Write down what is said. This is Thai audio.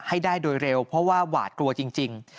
ให้ได้โดยเร็วเพราะว่าหวาดกลัวจริง